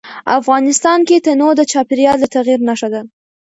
افغانستان کې تنوع د چاپېریال د تغیر نښه ده.